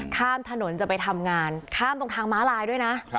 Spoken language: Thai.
ข้ามถนนจะไปทำงานข้ามตรงทางม้าลายด้วยนะ